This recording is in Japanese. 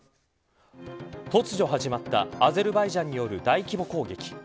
突如始まったアゼルバイジャンによる大規模攻撃。